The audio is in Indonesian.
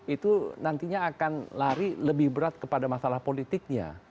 itu nantinya akan lari lebih berat kepada masalah politiknya